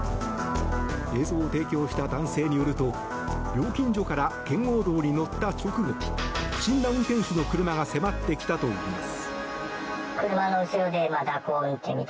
映像を提供した男性によると料金所から圏央道に乗った直後不審な運転手の車が迫ってきたといいます。